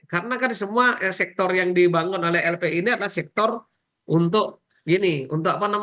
karena kan semua sektor yang dibangun oleh lpi ini adalah sektor untuk